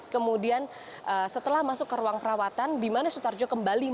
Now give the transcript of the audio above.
kemudian setelah masuk ke ruang perawatan bimanes sutarjo kembali